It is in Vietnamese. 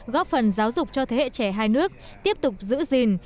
góp phần giáo dục cho thế hệ trẻ hai nước tiếp tục giữ gìn